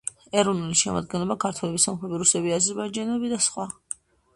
ეროვნული შემადგენლობა: ქართველები, სომხები, რუსები, აზერბაიჯანელები და სხვა.